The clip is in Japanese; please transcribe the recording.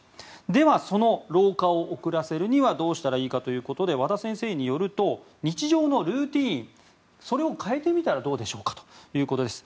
では、その老化を遅らせるにはどうしたらいいかということで和田先生によると日常のルーティンを変えてみたらどうでしょうかということです。